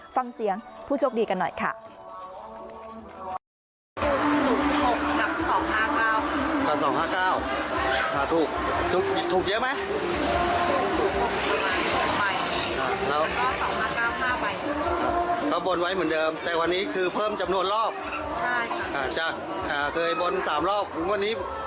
ฟังเสียงผู้โชคดีกันหน่อยค่ะ